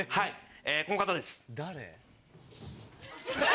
この方です。